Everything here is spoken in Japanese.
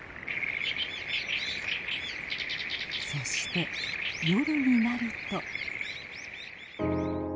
そして夜になると。